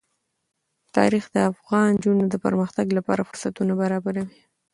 تاریخ د افغان نجونو د پرمختګ لپاره فرصتونه برابروي.